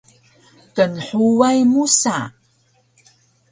Knhuway musa